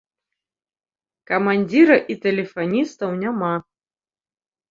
Камандзіра і тэлефаністаў няма.